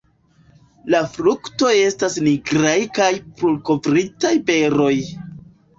La fruktoj estas nigraj kaj prujkovritaj beroj.